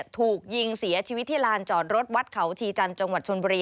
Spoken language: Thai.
ถูกยิงเสียชีวิตที่ลานจอดรถวัดเขาชีจันทร์จังหวัดชนบุรี